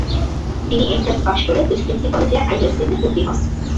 তিনি এন্ট্রান্স পাশ করে প্রেসিডেন্সি কলেজে আই.এসসি তে ভর্তি হন।